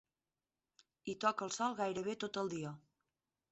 Hi toca el sol gairebé tot el dia.